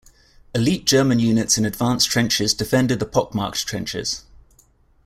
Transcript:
Elite German units in advanced trenches defended the pock-marked trenches.